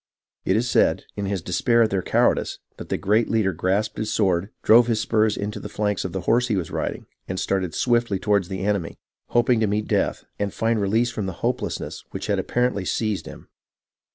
It is said, in his despair at their cow ardice, that the great leader grasped his sword, drove his spurs into the flanks of the horse he was riding, and started swiftly toward the enemy, hoping to meet death, and find release from the hopelessness which apparently had seized him.